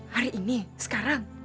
hari ini sekarang